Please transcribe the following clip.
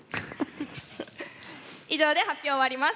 以上で発表を終わります。